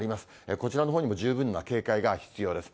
こちらのほうにも十分な警戒が必要です。